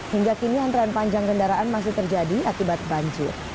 hingga kini antrean panjang kendaraan masih terjadi akibat banjir